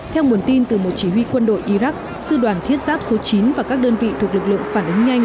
theo nguồn tin từ một chỉ huy quân đội iraq sư đoàn thiết giáp số chín và các đơn vị thuộc lực lượng phản ứng nhanh